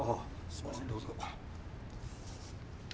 すみませんどうぞ。